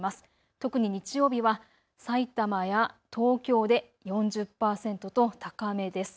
特に日曜日はさいたまや東京で４０％と高めです。